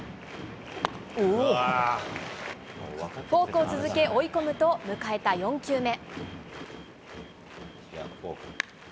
フォークを続け、追い込むと迎えた４球目。